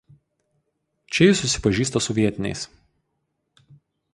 Čia jis susipažįsta su vietiniais.